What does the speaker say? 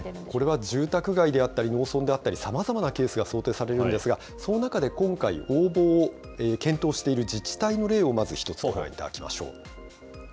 これは、住宅であったり農村であったり、さまざまなケースが想定されるんですが、その中で今回、応募を検討している自治体の例をまずご覧いただきましょう。